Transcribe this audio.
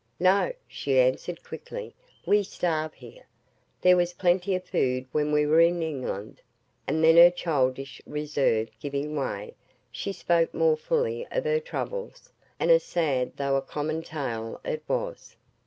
"No!" she answered quickly; "we starve here. There was plenty of food when we were in England;" and then her childish reserve giving way, she spoke more fully of her troubles, and a sad though a common tale it was.